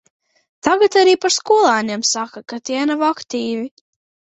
Tagad arī par skolēniem saka, ka tie nav aktīvi.